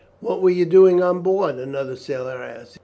"What were you doing on board?" another sailor asked.